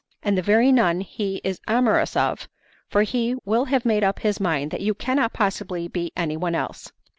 and the very nun he is amorous of, for he will have made up his mind that you cannot possibly be anyone else.